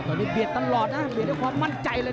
ตอนนี้เบียดตลอดนะเบียดด้วยความมั่นใจเลย